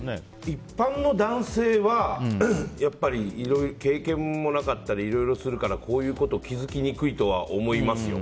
一般の男性はやっぱり経験もなかったりいろいろするからこういうことに気づきにくいと思いますよ。